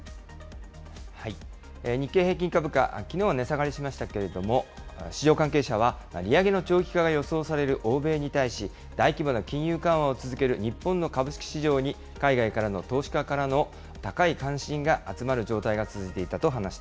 日経平均株価、きのうは値下がりしましたけれども、市場関係者は、利上げの長期化が予想される欧米に対し、大規模な金融緩和を続ける日本の株式市場に、海外からの投資家からの高い関心が集まる状態が続いていたと話し